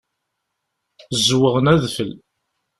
Zzewɣen adfel.